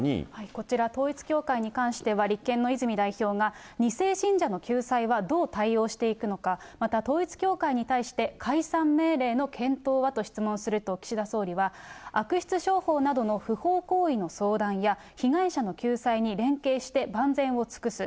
こちら、統一教会に関しては、立憲の泉代表が、２世信者の救済はどう対応していくのか、また統一教会に対して解散命令の検討はと質問すると、岸田総理は、悪質商法などの不法行為の相談や、被害者の救済に連携して万全を尽くす。